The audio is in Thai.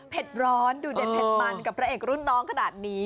ร้อนดูเด็ดเผ็ดมันกับพระเอกรุ่นน้องขนาดนี้